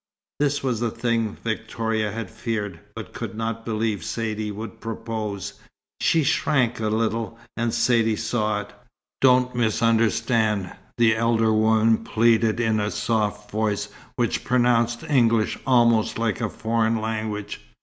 This was the thing Victoria had feared, but could not believe Saidee would propose. She shrank a little, and Saidee saw it. "Don't misunderstand," the elder woman pleaded in the soft voice which pronounced English almost like a foreign language.